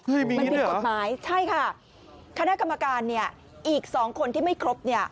มันผิดกฎหมายใช่ค่ะคณะกรรมการเนี่ยอีกสองคนที่ไม่ครบเนี่ย